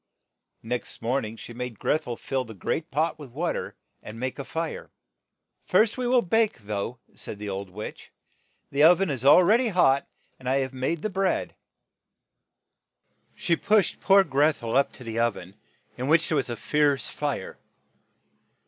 Next morn ing she made Greth el fill the great pot with wa ter, and make a fire. "First we will bake, though," said the old witch. "The o ven is al ready hot, and I have made the bread. '' She pushed poor Greth el up to the oven, in which there was a fierce fire.